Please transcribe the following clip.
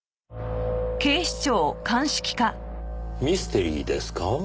ミステリーですか？